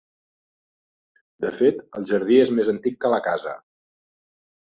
De fet, el jardí és més antic que la casa.